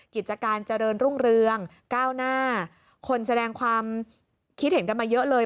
กิจการเจริญรุ่งเรืองก้าวหน้าคนแสดงความคิดเห็นกันมาเยอะเลย